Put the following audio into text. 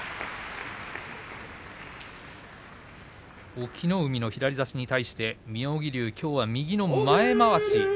隠岐の海の左差しに対して妙義龍きょうは右の前まわし。